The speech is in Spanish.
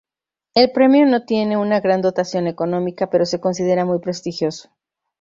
El premio no tiene una gran dotación económica, pero se considera muy prestigioso.